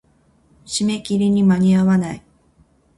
締め切りに間に合わない。